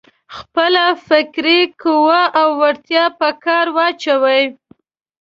خپله فکري قوه او وړتيا په کار واچوي.